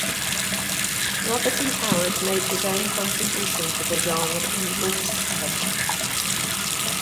Robert E. Howard made his own contribution to the genre in "Wolfshead".